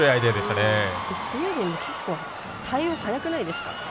スウェーデンも結構対応早くないですか？